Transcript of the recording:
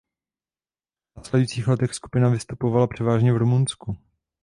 V následujících letech skupina vystupovala převážně v Rumunsku.